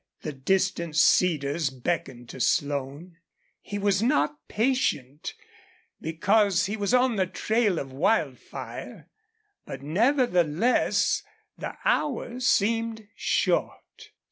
The distant cedars beckoned to Slone. He was not patient, because he was on the trail of Wildfire; but, nevertheless, the hours seemed short.